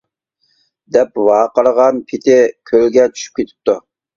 -دەپ ۋارقىرىغان پېتى كۆلگە چۈشۈپ كېتىپتۇ.